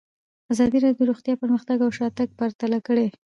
ازادي راډیو د روغتیا پرمختګ او شاتګ پرتله کړی.